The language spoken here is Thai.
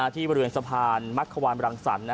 ที่บริเวณสะพานมักขวานบรังสรรค์